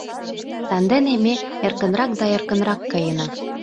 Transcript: Сандене ме эркынрак да эркынрак каена.